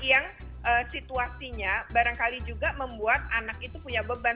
yang situasinya barangkali juga membuat anak itu punya beban